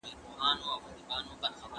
د روغتیا شکر.